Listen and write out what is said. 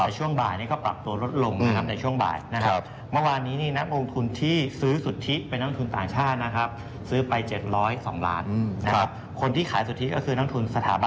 ช่วงบ่ายก็ปรับตัวรถลงนะครับ